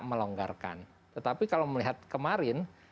melonggarkan tetapi kalau melihat kemarin